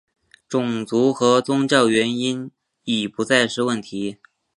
种族跟宗教原因已不再是问题。